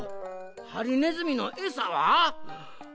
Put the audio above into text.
ハリネズミのエサは？